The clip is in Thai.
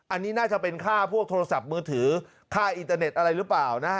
อันนี้น่าจะเป็นค่าพวกโทรศัพท์มือถือค่าอินเตอร์เน็ตอะไรหรือเปล่านะฮะ